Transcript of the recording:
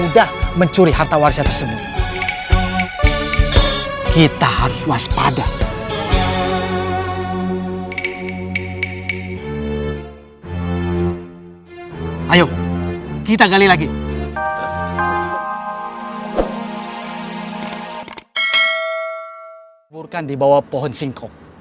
di bawah pohon singkong